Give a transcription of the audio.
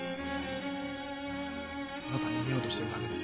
あなた逃げようとしてるだけですよ。